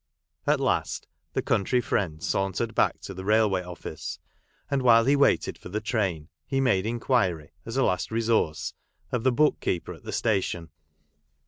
At last the country friend sauntered back to the railway office, and while he waited for the train he made inquiry, as a last resource, of ' the book keeper at the station.